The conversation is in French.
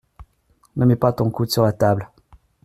Ne mets pas ton coude sur la table.